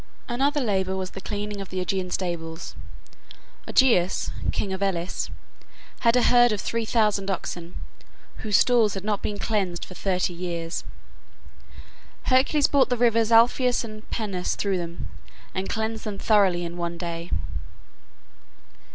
Another labor was the cleaning of the Augean stables. Augeas, king of Elis, had a herd of three thousand oxen, whose stalls had not been cleansed for thirty years. Hercules brought the rivers Alpheus and Peneus through them, and cleansed them thoroughly in one day.